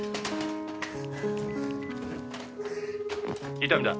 「伊丹だ！」